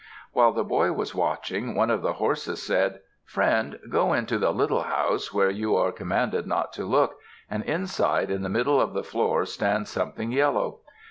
While the boy was watching, one of the horses said, "Friend, go into the little house where you are commanded not to look, and inside in the middle of the floor stands something yellow.